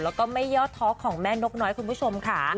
แล้วก็ไม่ยอดท้อของแม่นกน้อยคุณผู้ชมค่ะ